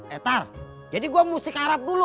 etar jadi gue mesti karap dulu